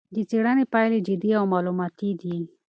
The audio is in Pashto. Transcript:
د څېړنې پایلې جدي او معلوماتي دي.